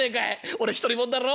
俺独り者だろ。